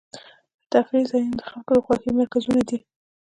د تفریح ځایونه د خلکو د خوښۍ مرکزونه دي.